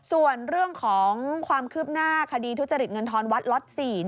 ส่วนเรื่องของความคืบหน้าคดีทุจริตเงินทอนวัดล็อต๔